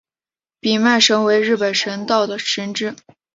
比卖神为日本神道的神只。